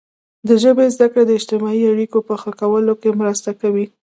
د ژبې زده کړه د اجتماعي اړیکو په ښه کولو کې مرسته کوي.